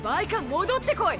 戻ってこい。